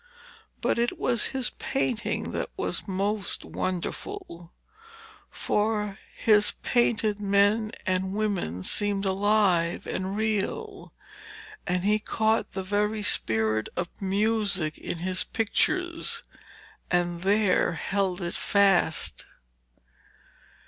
But it was his painting that was most wonderful, for his painted men and women seemed alive and real, and he caught the very spirit of music in his pictures and there held it fast.